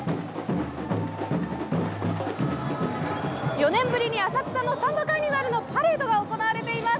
４年ぶりに浅草のサンバカーニバルのパレードが行われています。